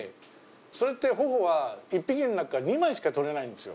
それって、ホホは１匹の中から２枚しか取れないんですよ。